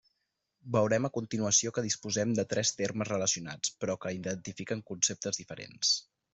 Veurem a continuació que disposem de tres termes relacionats però que identifiquen conceptes diferents.